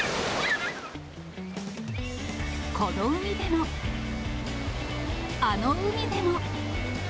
この海でも、あの海でも。